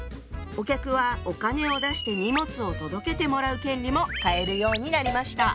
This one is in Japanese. お客はお金を出して荷物を届けてもらう権利も買えるようになりました。